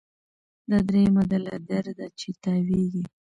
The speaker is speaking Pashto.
دا دریمه ده له درده چي تاویږي